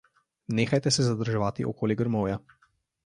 Nehajte se zadrževati okoli grmovja.